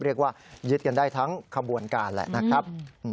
เรียกว่ายึดกันได้ทั้งขบวนการแหละนะครับ